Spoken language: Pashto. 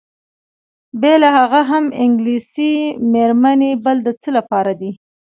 بېله هغه هم انګلیسۍ میرمنې بل د څه لپاره دي؟